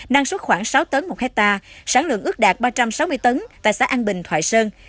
năng suất khoảng sáu tấn một hectare sản lượng ước đạt ba trăm sáu mươi tấn tại xã an bình thoại sơn